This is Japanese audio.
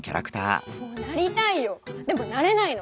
でもなれないの。